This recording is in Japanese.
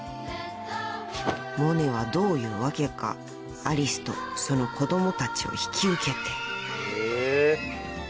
［モネはどういうわけかアリスとその子供たちを引き受けて］